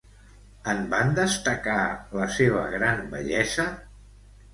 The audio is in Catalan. En van destacar la seva gran bellesa?